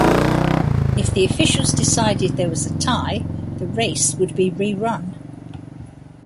If the officials decided there was a tie, the race would be re-run.